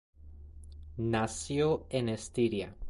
Nació en en Estiria.